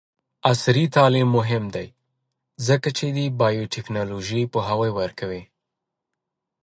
عصري تعلیم مهم دی ځکه چې د بایوټیکنالوژي پوهاوی ورکوي.